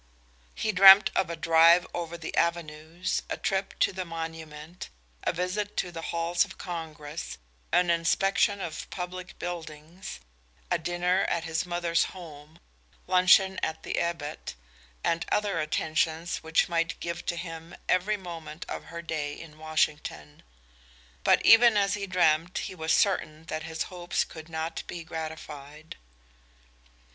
He dreamed of a drive over the avenues, a trip to the monument, a visit to the halls of congress, an inspection of public buildings, a dinner at his mother's home, luncheon at the Ebbitt, and other attentions which might give to him every moment of her day in Washington. But even as he dreamed, he was certain that his hopes could not be gratified.